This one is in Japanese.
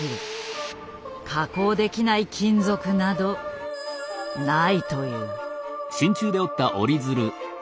加工できない金属などないという。